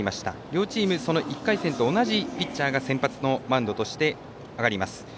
両チームその試合と同じピッチャーが先発のマウンドとして上がります。